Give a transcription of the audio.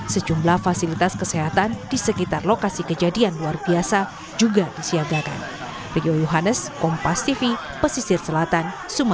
sejumlah fasilitas kesehatan di sekitar lokasi kejadian luar biasa juga disiagakan